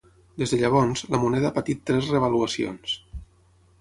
Des de llavors, la moneda ha patit tres revaluacions.